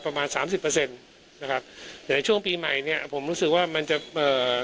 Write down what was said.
ประมาณสามสิบเปอร์เซ็นต์นะครับแต่ในช่วงปีใหม่เนี้ยผมรู้สึกว่ามันจะเอ่อ